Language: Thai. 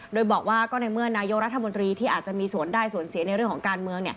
โดยบอกว่าก็ในเมื่อนายกรัฐมนตรีที่อาจจะมีส่วนได้ส่วนเสียในเรื่องของการเมือง